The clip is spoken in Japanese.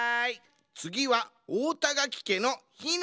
つぎはおおたがきけのひなちゃん！